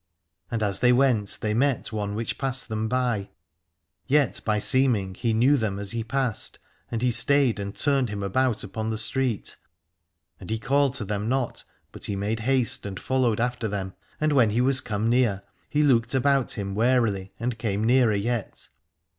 And as they went they met one which passed them by : yet by seeming he knew them as he passed, and he stayed and turned him about upon the street. And he called not to them, but he made haste and followed after them, and when he was come near he looked about him warily and came nearer yet.